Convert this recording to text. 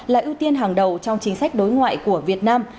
là ưu tiên hàng đầu trong chính sách đối ngoại của việt nam